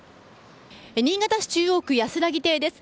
新潟市中央区やすらぎ堤です。